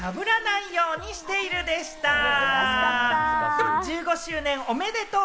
でも１５周年おめでとう！